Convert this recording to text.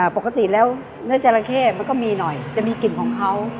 ปกติแล้วเนื้อจราเข้มันก็มีหน่อยจะมีกลิ่นของเขา